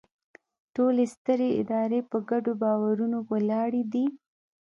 ټولې سترې ادارې په ګډو باورونو ولاړې دي.